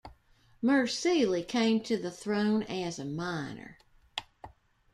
Mursili came to the throne as a minor.